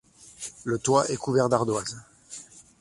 Le toit est couvert d'ardoise.